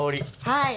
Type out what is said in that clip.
はい。